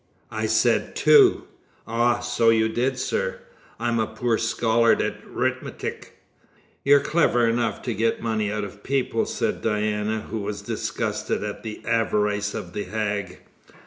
"I said two." "Ah! so you did, sir. I'm a poor schollard at 'rithmetic." "You're clever enough to get money out of people," said Diana, who was disgusted at the avarice of the hag.